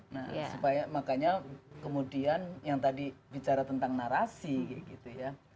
nah supaya makanya kemudian yang tadi bicara tentang narasi gitu ya